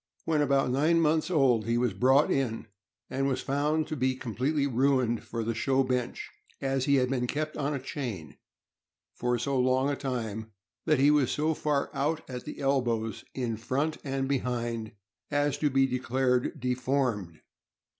When about nine months old he was brought in, and was found to be completely ruined for the show bench, as he had been kept on a chain for so long a time that he was so far out at elbows, in front and behind, as to be declared deformed.